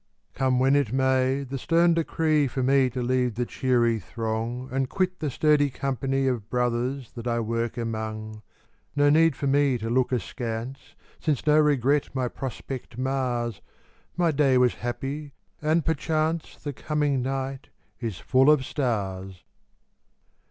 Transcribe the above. Come when it may, the stern decree For me to leave the cheery throng And quit the sturdy company Of brothers that I work among. No need for me to look askance, Since no regret my prospect mars. My day was happy and perchance The coming night is full of stars.